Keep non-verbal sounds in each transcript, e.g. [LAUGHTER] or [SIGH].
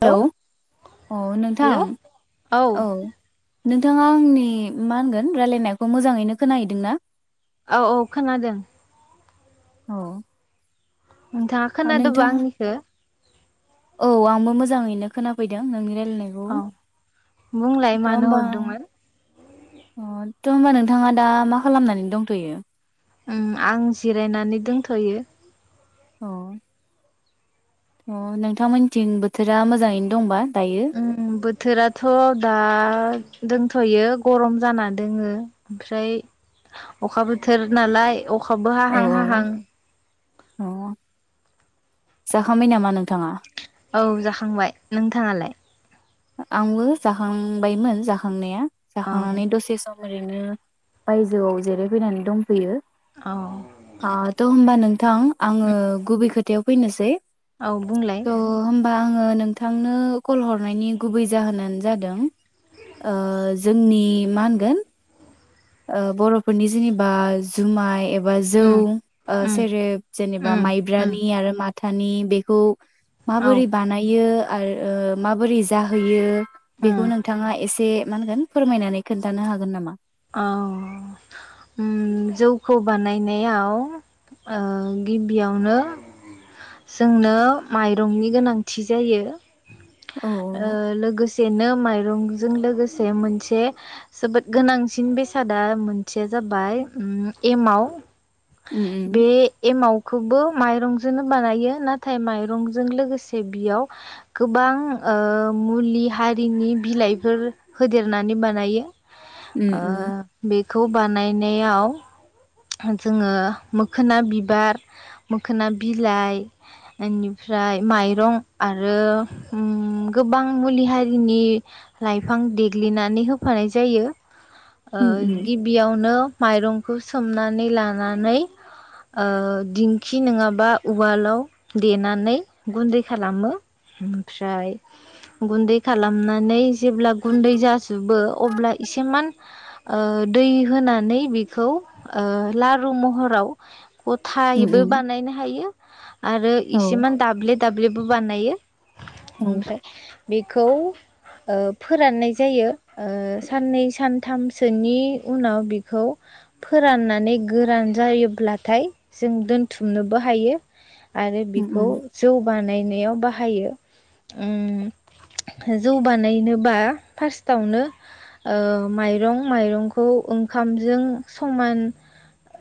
Hello अ नोंथां hello औ। नोंथाङा आंनि माहोनगोन रायलायनायखौ मोजाङैनो खोनाहैदोंना? औ औ खोनादों। औ। नोंथाङा खोनादोबा आंनिखो? औ आंबो मोजाङैनो खोनाफैदों नोंनि राय औ बुंलाय थ' होमबा मानोहरदोंमोन। अ थ होमबा नोंथाङा दा माखालामनानै दंथयो? उम आं जिरायनानै दोंथयो। अ। अ नोंथांमोनथिं बोथोरा मोजाङैनो दंबा दायो? उम बोथोराथ दा दोंथयो गरमजाना दोङो ओमफ्राय अखा बोथोरनालाय अखाबो औ हाहां हाहां।। जाखांबायनामा नोंथाङा? औ जाखांबाय नोंथाङालाय? आंबो जाखाङबायमोन जाखांनाया। औ जाखांनानै दसेसम। ओरैनो बायजोआव जिरायफैनानै दंफोयो। औ ओ त' होमबा नोंथां आङो गुबैखोथायाव फैनोसै। औ बुंलाय। थ' होमबा आङो नोंथांनो कलहरनायनि गुबै जाहोनानोजादों ओ जोंनि माहोनगोन ओह बर'फोरनि जेनेबा जुमाइ एब [UNINTELLIGIBLE] जौ उम ओ उम सेरेब जेनेबा उम उम माइब्रानि आरो मा थानि बेखौ। औ माबोरै बानायो आरो ओह माबोरै जाहोयो उम बेखौ नोंथाङा एसे माहोनगोन फोरमायनानै खोन्थानो हागोन नामा। औ उम जौखौ बानायनायाव ओह गिबियावनो जोंनो माइरंनि गोनांथिजायो। औ ओह लोगोसेनो माइ रंजों लोगोसे मोनसे जोबोद गोनां सिन बेसादा मोनसेया जाबाय उम एमाव। उम बे एमाव खौबो माइरंजोंनो बानायो नाथाय माइरंजों लोगोसे बियाव गोबां ओ मुलि हारिनि बिलाइफोर होदेरनानै बानायो। उम उम आ उम बे खौ बानायनायाव जोङो मोखोना बिबार, मोखोना बिलाइ इनिफ्राय माइरं आरो उम गोबां मुलि हारिनि लाइफां देग्लिनानै होफानाय जायो। ओ उम उम गिबियावनो माइरंखौ सोमनानै लानानै ओ दिंखि नङाबा उवालाव देनानै गुन्दै खालामो ओमफ्राय गुन्दै खालामनानै जेब्ला गुन्दै जाजोबो अब्ला एसेमान ओ दै होनानै बेखौ ओ लारु महराव उम गथायैबो उम बानायनो हायो। आरो औ इसेमान दाब्ले दाब्लेबो बानायो। औ ओमफ्राय बेखौ ओ फोराननाय जायो ओ साननै सानथामसोनि उनाव बेखौ फोराननानै गोरान जायोब्लाथाय जों दोनथुमनोबो हायो। आरो उम बिखौ उम जौ बानाय नायाव बाहायो उम जौ बानायनोबा फार्स्टआवनो ओ माइरं माइरंखौ ओंखामजों समान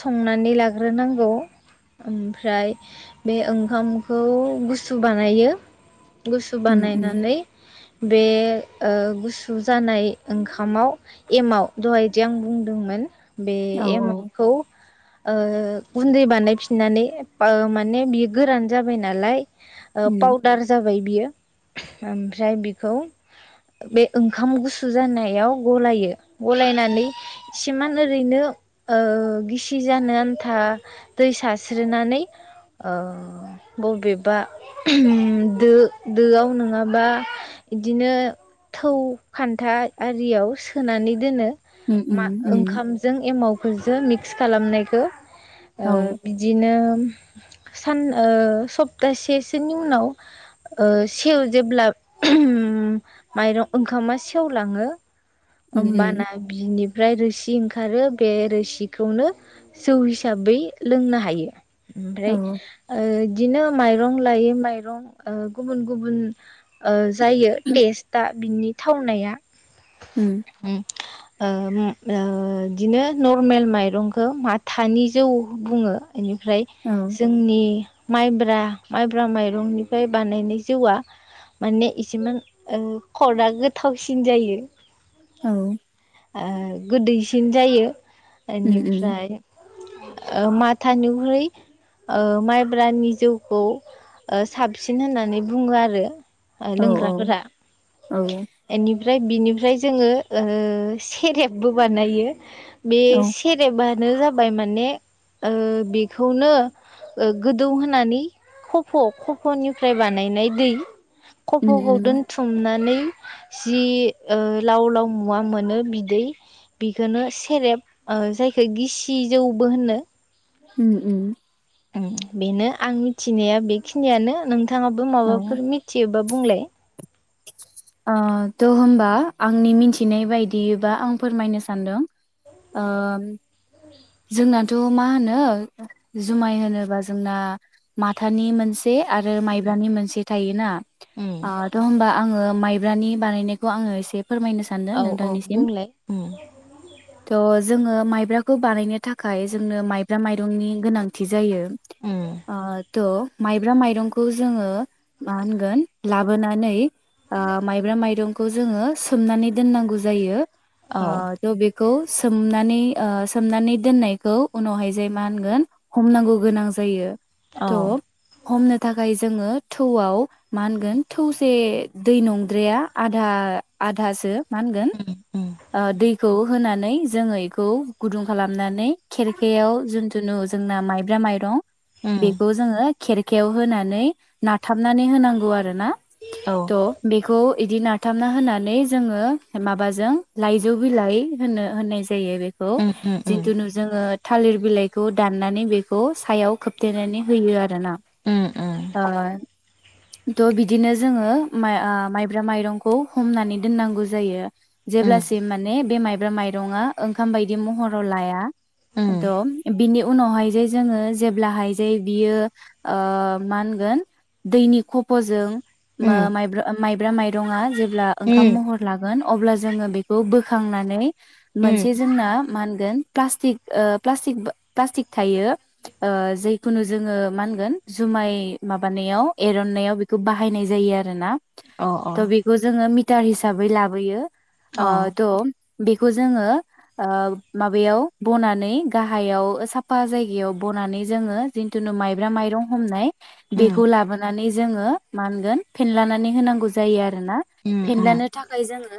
संनानै लाग्रोनांगौ ओमफ्राय बे ओंखामखौ गुसु बानायो। गुसु उम उम बानायनानै बे ओ गुसु जानाय ओंखामाव एमाव दहायदि आं बुंदोंमोन बे औ एमावखौ ओ गुन्दै बानायफिननानै बा माने बियो गोरान जाबाय नालाय ओ उम पाउदार जाबाय बियो। ओमफ्राय बेखौ बे ओंखाम गुसु जानायाव गलायो गलायनानै एसे मान ओरैनो ओ गिसि जानो आन्था दै सारस्रिनानै ओ बबेबा दो-दोआव नङाबा इदिनो थौ खान्था आरियाव सोनानै दोनो। उम उम उम। जों एमावखौ जों मिक्स खालामनायखौ ओ औ बिदिनो सान ओ सप्तासेसोनि उनाव ओ सेव जेब्ला माइरं ओंखामा सेवलाङो उम उम ओमबाना बिनिब फ्राय रोसि इ ओंखारो बे रोसिखौनो जौ हिसाबै लोंनो हायो। ओमफ्राय औ ओ दिनो माइरं लायै माइरं ओ गुबुन गुबुन ओ जायो टेस्टा बिनि थावनाया उम। ओ ओ बिदिनो नरमेल मायरंखौ माथानि जौ बुंङो। इनिफ्राय औ जोंनि माइब्रा माइब्रा माइरंनिफ्राय बानायनाय जौआ माने इसेमान खदआ गोथावसिन जायो। औ ओ गोदैसिन जायो। उम उम इनिफ्राय ओ माथानिख्रुइ ओ माइब्रानि जौखौ साबसिन होननानै बुङो आरो। ओ औ लोंग्राफोरा औ इनिफ्राय ओमफ्राय बिनिफ्राय जोंङो सेरेब बो बानायो। बे औ सेरेबा नो जाबाय माने ओ बेखौनो ओ गोदौ होनानै खफ' खफ'निफ्राय बानायनाय दै उम खफ'खौ उम दोनथुमनानै जि ओ लाव लाव मुवा मोनो बिदै बिखोनो सेरेब जायखौ गिसि जौबो होनो अम अम अम बेनो आं मिथिनाया बेखिनियानो नों बिथांङाबो औ माबाफोर मिथियोबा बुंलाय ओ थ' होमबा आंनि मिथिनाय बायदिबा आं फोरमायनो सान्दों ओ जोंनाथ' मा होनो जुमाय होनोब्ला जोंना माथानि मोनसे आरो माइब्रानि मोनसे थायोना। उम ओ थ होमबा आंङो माय [UNINTELLIGIBLE] बानायनायखौ आंङो एसे फोरमायनो सानदों औ औ नोंथांनिसिम बुंलाय उम थ' जोङो माइब्राखौ बानायनो थाखाय जोंनो माइब्रा माइरंनि गोनांथि जायो। उम ओ थह मायब्रा मायरंखौ जोंङो मा होनगोन लाबोनानै ओ माइब्रा माइरं बे खौ जोंङो सोमनानै दोननांगौ जायो। आ औ द बे खौ सोमनानै ओ सोमनानै दोननायखौ उनावहाय जाय मा होनगोन हमनांगौ गोनां जायो। औ उम त' हमनो थाखाय जोंङो थौआव मा होनगोन थौसे दै नंद्राया आधा आधासो मा होनगोन ओ दैखौ। होनानै जोङो इखौ गुदुं खालाम नानै खेरखायाव जुनथुनु जोंना माइब्रा माइरं उम बेखौ जोंङो खेरखायाव होनानै नाथाबनानै होनांगौ आरो। ना औ थ' बेखौ इदि नाथाबना होनानै जोंङो माबाजों लाइजौ बिलाइ होनो उम होननायज [UNINTELLIGIBLE] उम जिन्थुुनु जोङो थालिर बिलाइखौ दाननानै बेखौ सायाव खोबथेनानै होयो आ रोना उम उम ओ थ' बिदिनो जोङो मा ओ माइब्रा माइरंखौ हमनानै दोननांगौ जायो। उम जेब्लासिम माने बे माइ ब्रा माइरंआ ओंखाम बायदि महर र'लाया। उम दं बिनि उनावहाय जे जोङो जेब्लाहाय जे ओ बियो मा होनगोन दैनि खफ'जों मो उम माइब्रा माइब्रा माइरंआ जेब्ला ओंखाम उम महर लागोन अब्ला जोंङो बेखौ बोखांनानै उम मोनसे जोंना मा गोन प्लास्टिक ओ प्लास्टिक बा। प्लास्टिक थायो ओ जि खुनु जोंङो मा होनगोन जुमाय माबानायाव एरन्नायाव बेखौ बाहायनाय जायो आरो ना। अ त' बेखौ जोङो मि मिटार हिसाबै लाबोयो अ द बेखौ जोङो ओ माबायाव बनानै गाहायाव साफा जायगायाव बनानै जोङो जिन्थुनु माइब्रा माइरं हमनाय उम बेखौ लाबोनानै जोङो मा होनगोन फेनलानानै होनांगौ जायो आ रो ना उम उम फेनलानो थाखाय जोङो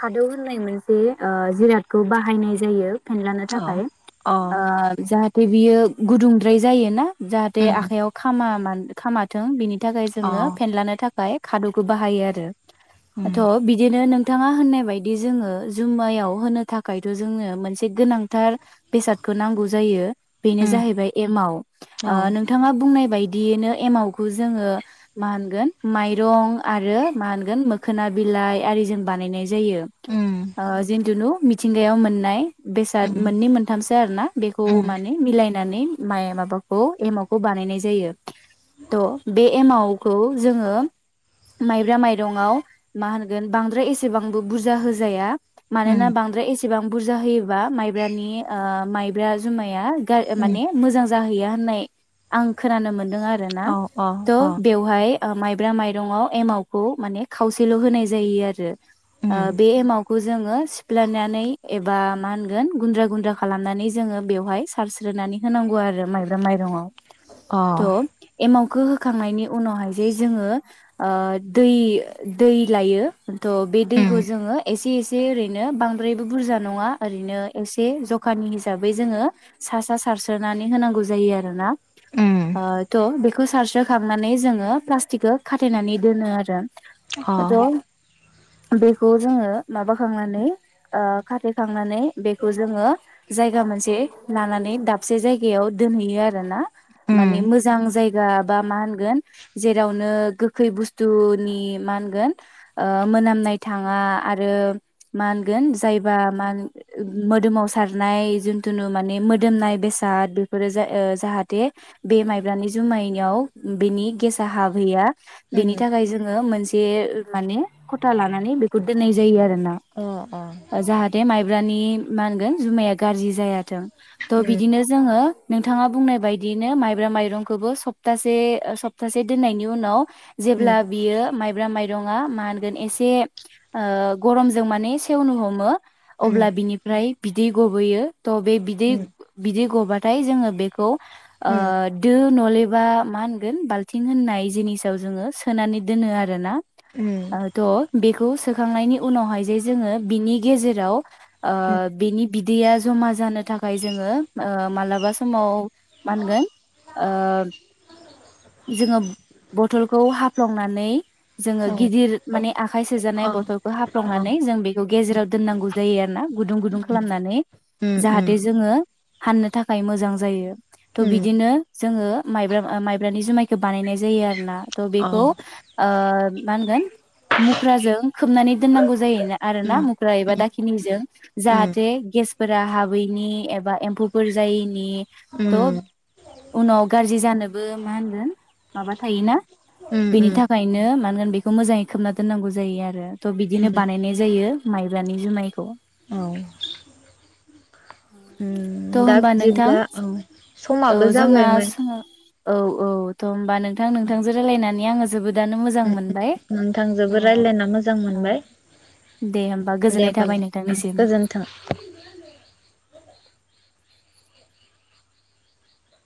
खादौ होननाय मोनसे ओ जिरादखौ बाहायनाय जायो। फेनलानो औ थाखाय अ ओ जाहा [UNINTELLIGIBLE] बियो गुदुंद्राय जायो ना? जाहाथे उम आखाइयाव खामा मानो खामाथों बिनि [UNINTELLIGIBLE] थाखाय अ जोङो फेनलानो था बाहाय खादौखौ बाहायो आरो। आथ' उम बिदिनो नों थाङा होननाय बायदि जोङो जुमायाव होनो थाखायथ' जोङो मोनसे गोनां। थार बेसादखौ नांगौ जायो बेनो उम जाहैबाय एमाव औ ओ नोंथाङा बुंनाय बाय देनो एमावखौ जोङो मा होनगोन माइरं आरो मा होनगोन मोखोना बिलाइ आरि जों बानायनाय जा जायो उम ओ जेनथुनु [UNINTELLIGIBLE] [UNINTELLIGIBLE] मोननाय। बेसाद उम मोननै मोनथामसो आरो ना बेखौ उम उम माने मिलाय। नानै माइ माबाखौ एमावखौ बानायनाय जायो तह बे एमावखौ जोङो माइब्रा माइरंआव मा होनगोन बांद्राय एसेबांबो बुरजा होजाया। मानोना बांद्राय ए इसेबां बुरजा होयोबा माइब्रानि ओ माइब्रा जुमाया [UNINTELLIGIBLE] उम माने मोजां जाहैया होननाय आं खोनानो मोन अ आरोना अ थ बेवहाय। ओ माइब्रा माइरंआव एमावखौ माने खावसेल होनाय जायो आरो। ओ उम बे एमावखौ जोङो सिफ्लेनानै एबा मा होनगोन गुन्द्रा गुन्द्रा खालामनानै जोङो बेवहाय सारस्रोनानै होनांगौ आरो माइब्रा माइरंआव। अ त एमाव खौ होखांनायनि उनावहाय जे जोङो ओ दै दै लायो। थ' बे दैखौ उम जोङो एसे एसे से ओरैनो बांद्राय। बुरजा नङा ओरैनो एसे जखानि हिसाबै जोङो सा सा सारस्रोनानै होनांगौ जायो आरोना। उम ओ थ' बे खौ सारस्रोखांनानै जोङो प्लास्टिकखौ खाथेनानै दोनो आरो। अ। थ' बेखौ जोङो माबाखांनानै ओ खाथे खांनानै बेखौ जोङो जायगा मोनसे लानानै दाबसे जायगायाव दोनहैयो आरो ना। माने उम मोजां जायगा जा बा मा होनगोन जेरावनो गोखै बुथुनि मा होनगोन ओ मोनामनाय थाङा आरो मा जायबा मान- ओ मोदोमाव सारनाय जिथुनु माने मोदोमनाय बेसाद बेफोरो जा- ओ जाहाथे बे माइब्रानि जुमाइाव बेनि गेसा हाबहैया उम बेनि थाखाय जोङो मोनस बे माने खथा लानानै बेखौ दोननाय जायो आरो। अ अ जाहाथे माइब्रानि मा होनगोन जुमाया गाज्रि जाया। थ उम बिदिनो जोङो नोंथाङा बुंनाय बायदियैनो माइब्रा माइरंखौबो सप्तासे सप्तासे दोननायनि उनाव उम जेब्ला उम बियो माइ ब्रा माइरंआ मा होनगोन एसे ओ गरमजों माने सेवनो हमो। उम अब्ला बिनिफ्राय बिदै गबोयो त बे बिदै बिदै गबा थाय जोङो बेखौ ओ दो नले बा मा होनगोन बाल्थिं होननाय जिनिसाव जोङो सोनानै दोनो आरो ना। उम उम थ बेखौ सोखांनायनि उनावहाय जे जोङो बिनि गेजेराव ओ बेनि बिद दैया ज'मा जानो थाखाय जोङो मालाबा समाव मानगोन ओ जोङो बथलखौ हा फ्लंनानै जोङो औ गिदिर माने आखाइ अ सोजानाय बथलखौ अ हाफ्लंनानै जों बेखौ गेजेराव दोननांगौ जायो आरो ना गुदुं गुदुं उम खालामनानै जाहाथे जोङो हाननो थाखाय मोजां जायो। थ बिदिनो जोङो माइब्रा आ माइ माइब्रानि जुमायखौ बानायनाय जायो आरो ना। त बेखौ ओ मा होनगोन मुख्राजों खोबनानै दोननांगौ जायो आरो ना मुख्रा एबा दाखिनिजों जाहाथे गेस फोरा हाबैनि एबा एम्फौफोर जायिनि। नि थब उनाव गारजि जानोब मा होनगोन माबा थायोना। बेनि थाखायनो मानो होन बेखौ मोजाङै खोबना दोननांगौ जायो आरो। थ बिदिनो बानायनाय जायो। माइब्रानि जुमायखौ औ। थ' उम होमबा दाब नोंथां जिबब्ला औ। औ समाबो जोंना जाबायमोन। औ औ थ होमबा नों थां नोंथांजों रायलायनानै आङो जोबोद ओम ओ नोंथांजोबो रायलायना मोजां मोनबाय दे होमबा दे गोजोननाय थाबाय ओमबालाय नोंथांनिसिम गोजोन्थों।